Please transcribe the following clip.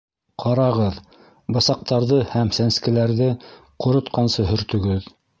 Ҡарағыҙ, бысаҡтарҙы һәм сәнскеләрҙе ҡоротҡансы һөртөгөҙ